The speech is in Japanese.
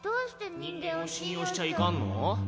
人間を信用しちゃいかんの？